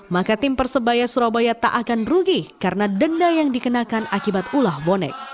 maka tim persebaya surabaya tak akan rugi karena denda yang dikenakan akibat ulah bonek